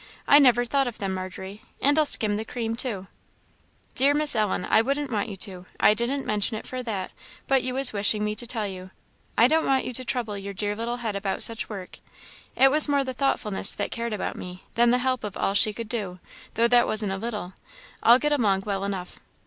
I never thought of them, Margery. And I'll skim the cream too." "Dear Miss Ellen, I wouldn't want you to: I didn't mention it for that, but you was wishing me to tell you I don't want you to trouble your dear little head about such work. It was more the thoughtfulness that cared about me than the help of all she could do, though that wasn't a little I'll get along well enough."